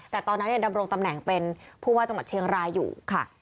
แต่ตอนนั้นดำรงตำแหน่งเป็นผู้ว่าจังหวัดเชียงรายอยู่ค่ะ